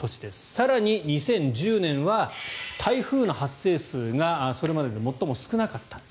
更に２０１０年は台風の発生数がそれまでで最も少なかった。